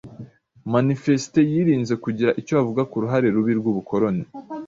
Manifeste yirinze kugira icyo ivuga ku ruhare rubi rw'ubukoloni,